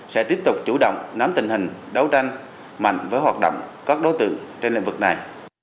sẽ tiếp tục chủ động nắm tình hình đấu tranh mạnh với hoạt động các đối tượng trên lĩnh vực này